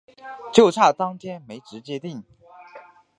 就差当天没直接订